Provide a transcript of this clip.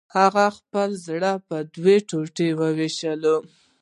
هغه خپل زړه په دوو ټوټو ویشلی و